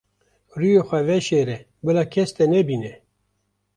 Rûyê xwe veşêre bila kes te nebîne.